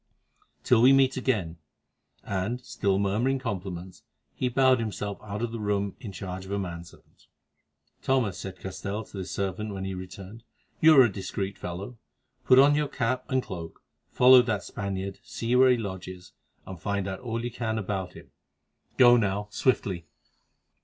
Till we meet again," and, still murmuring compliments, he bowed himself out of the room in charge of a manservant. "Thomas," said Castell to this servant when he returned, "you are a discreet fellow; put on your cap and cloak, follow that Spaniard, see where he lodges, and find out all you can about him. Go now, swiftly."